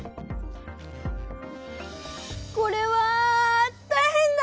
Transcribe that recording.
これはたいへんだ！